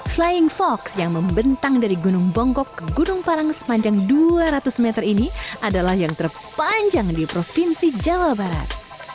flying fox yang membentang dari gunung bongkok ke gunung parang sepanjang dua ratus meter ini adalah yang terpanjang di provinsi jawa barat